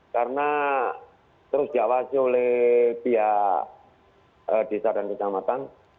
karena terus diawasi oleh pihak desa dan kecamatan